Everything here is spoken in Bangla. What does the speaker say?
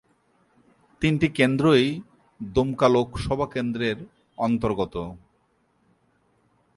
তিনটি কেন্দ্রই দুমকা লোকসভা কেন্দ্রের অন্তর্গত।